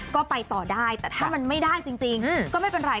ก็ไปต่อได้แต่ถ้ามันไม่ได้จริงก็ไม่เป็นไร